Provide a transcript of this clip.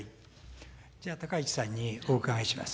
じゃあ、高市さんにお伺いします。